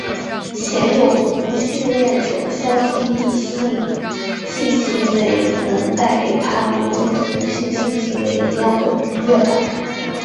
鲜有同性恋者相信异性性行为能带给他们跟同性性行为一样的愉悦感。